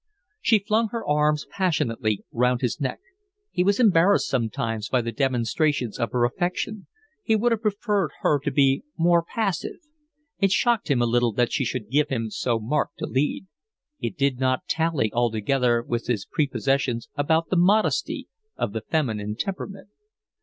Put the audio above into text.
She flung her arms passionately round his neck. He was embarrassed sometimes by the demonstrations of her affection. He would have preferred her to be more passive. It shocked him a little that she should give him so marked a lead: it did not tally altogether with his prepossessions about the modesty of the feminine temperament.